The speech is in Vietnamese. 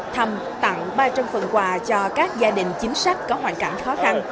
thăm tặng ba trăm linh phần quà cho các gia đình chính sách có hoàn cảnh khó khăn